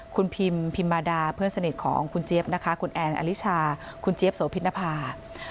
คุณพิมพิมมาดาเพื่อนสนิทของคุณเจี๊ยบนะคะคุณแอนอลิชาคุณเจี๊ยบโสพินภา